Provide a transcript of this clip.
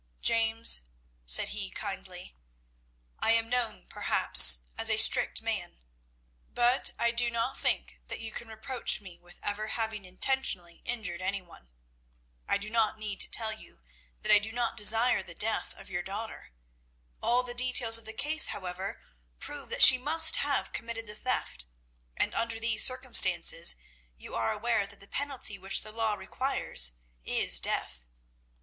"James," said he kindly, "I am known perhaps as a strict man, but I do not think that you can reproach me with ever having intentionally injured any one. I do not need to tell you that I do not desire the death of your daughter. All the details of the case, however, prove that she must have committed the theft, and, under these circumstances, you are aware that the penalty which the law requires is death.